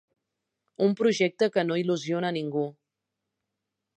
Un projecte que no il·lusiona a ningú.